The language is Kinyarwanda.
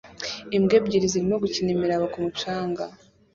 Imbwa ebyiri zirimo gukina imiraba ku mucanga